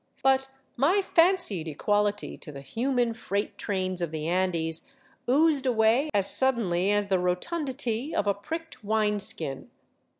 But my fancied equality to the human freight trains of the Andes oozed away as suddenly as the rotundity of a pricked wine skin.